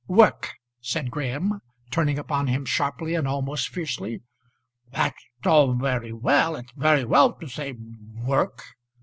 "Work," said Graham, turning upon him sharply and almost fiercely. "That's all very well. It's very well to say 'Work!'"